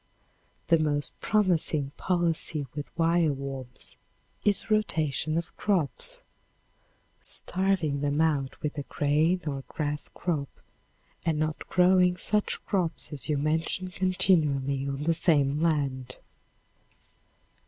The most promising policy with wire worms is rotation of crops, starving them out with a grain or grass crop and not growing such crops as you mention continually on the same land.